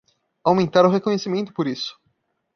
Aumentar o reconhecimento por isso